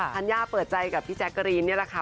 ธัญญาเปิดใจกับพี่แจ๊กกะรีนนี่แหละค่ะ